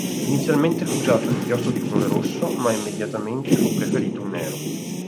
Inizialmente fu usato un inchiostro di colore rosso ma immediatamente fu preferito il nero.